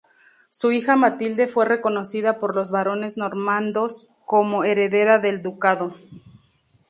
Su hija Matilde fue reconocida por los barones normandos como heredera del ducado.